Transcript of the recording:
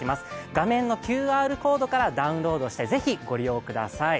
画面のＱＲコードからダウンロードしてご利用ください。